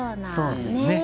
そうですね。